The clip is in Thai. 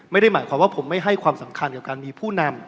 ไม่ได้หมายความว่าผมไม่ให้ความสำคัญกับการมีผู้นำ